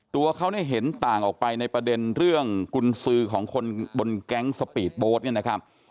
ตัวเขาเนี่ยเห็นต่างออกไปในประเด็นเรื่องกุญสือของคนบนแก๊งสปีดโบ๊ทเนี่ยนะครับ